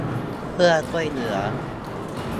เพื่อช่วยเหลือ